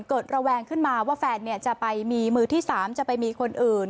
ระแวงขึ้นมาว่าแฟนจะไปมีมือที่๓จะไปมีคนอื่น